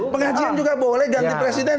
pengajian juga boleh ganti presiden